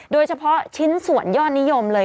โดยเฉพาะชิ้นส่วนยอดนิยมเลย